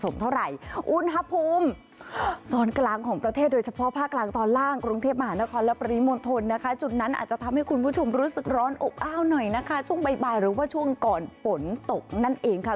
ปุ๊บอ้าวหน่อยนะคะช่วงบ่ายหรือว่าช่วงก่อนฝนตกนั่นเองค่ะ